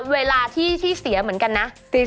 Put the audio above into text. เวลาที่เสียเหมือนกันนะ